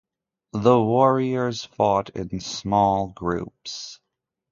The warriors fought in small groups.